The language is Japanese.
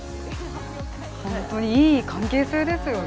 本当にいい関係性ですよね。